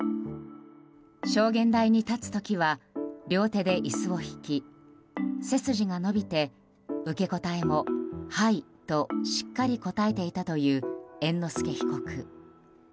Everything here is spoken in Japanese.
証言台に立つ時は両手で椅子を引き背筋が伸びて受け答えも「はい」としっかり答えていたという猿之助被告。